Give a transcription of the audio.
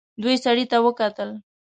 دوی سړي ته وکتل.